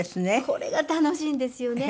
これが楽しいんですよね。